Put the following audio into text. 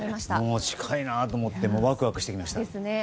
もう近いなと思ってワクワクしてきました。